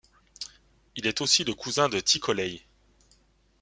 Il est aussi le cousin de T-Kolai.